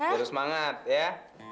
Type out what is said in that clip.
jatuh semangat ya